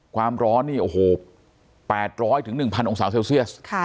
ความร้อนนี่โอ้โหแปดร้อยถึงหนึ่งพันองค์สาวเซลเซียสค่ะ